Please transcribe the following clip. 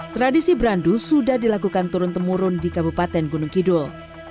tradisi berandu sudah dilakukan turun temurun di kabupaten gunung kidul